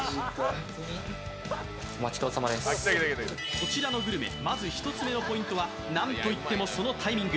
こちらのグルメ、まず１つ目のポイントはなんといってもそのタイミング。